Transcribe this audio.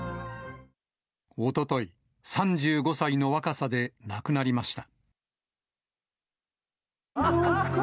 おととい、３５歳の若さで亡くなりました。